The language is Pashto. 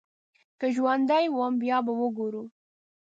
که ژوندی وم بيا به ګورو.